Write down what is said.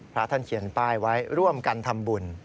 พระท่านเขียนป้ายไว้ร่วมกันทำบุญ